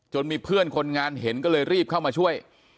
มีเพื่อนคนงานเห็นก็เลยรีบเข้ามาช่วย